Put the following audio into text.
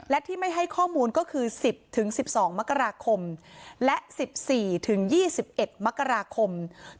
และที่ไม่ให้ข้อมูลก็คือ๑๐๑๒มกราคมและ๑๔ถึง๒๑มกราคม